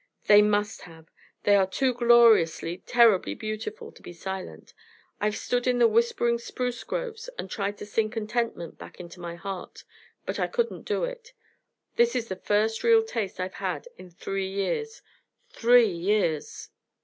"They must have; they are too gloriously, terribly beautiful to be silent. I've stood in the whispering spruce groves and tried to sing contentment back into my heart, but I couldn't do it. This is the first real taste I've had in three years. Three years!"